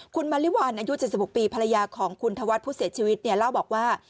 คุณมริวัลอายุ๗๖ปีภรรยาของคุณธวัฒน์ผู้เสียชีวิตเนี่ยเล่าบอกว่า